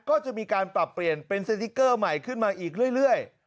ก็จะมีการปรับเปลี่ยนเป็นสติ๊กเกอร์ใหม่ขึ้นมาอีกเรื่อย